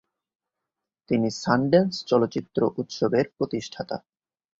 তিনি সানড্যান্স চলচ্চিত্র উৎসবের প্রতিষ্ঠাতা।